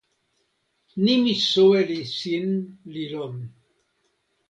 nimi soweli sin li lon.